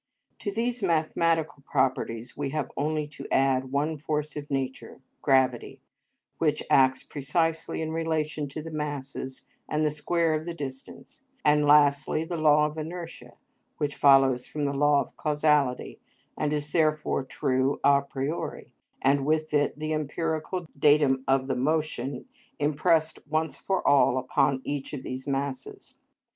To these mathematical properties we have only to add one force of nature, gravity, which acts precisely in relation to the masses and the square of the distance; and, lastly, the law of inertia, which follows from the law of causality and is therefore true a priori, and with it the empirical datum of the motion impressed, once for all, upon each of these masses.